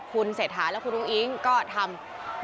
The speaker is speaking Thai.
คุณเศรษฐาและคุณอุ้งอิ๊งก็ทำ